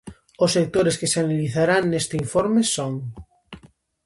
Os sectores que se analizarán neste informe son.